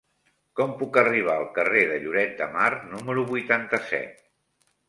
Com puc arribar al carrer de Lloret de Mar número vuitanta-set?